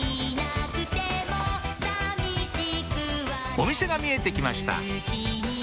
お店が見えて来ました